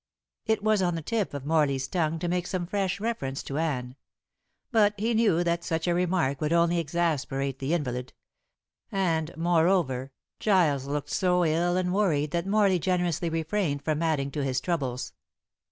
It was on the tip of Morley's tongue to make some fresh reference to Anne. But he knew that such a remark would only exasperate the invalid; and, moreover, Giles looked so ill and worried that Morley generously refrained from adding to his troubles.